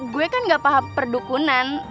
gue kan gak paham perdukunan